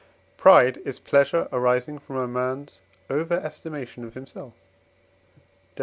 Pride is pleasure arising from a man's over estimation of himself (Def.